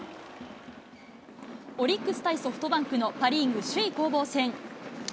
オリックス対ソフトバンクのパ・リーグ首位攻防戦。